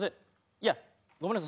いやごめんなさい。